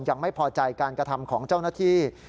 ยังไม่พอใจการกระทำของเจ้าหน้าที่